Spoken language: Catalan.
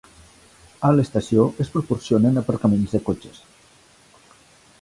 A l'estació es proporcionen aparcaments de cotxes.